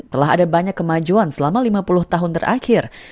telah ada banyak kemajuan selama lima puluh tahun terakhir